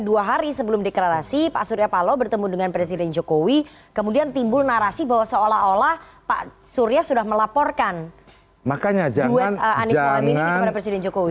jadi sebelum deklarasi pak surya paloh bertemu dengan presiden jokowi kemudian timbul narasi bahwa seolah olah pak surya sudah melaporkan duet anies mohemini kepada presiden jokowi